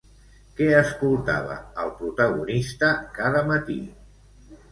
Què escoltava el protagonista cada matí?